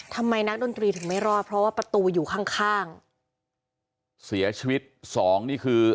ทำไมนักดนตรีถึงไม่รอดเพราะว่าประตูอยู่ข้างข้างเสียชีวิตสองนี่คือ